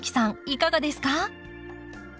いかがですか？